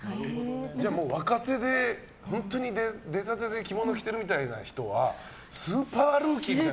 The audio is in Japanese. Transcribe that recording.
じゃあ若手で、本当に出たてで着物着てるみたいな人はスーパールーキーみたいな。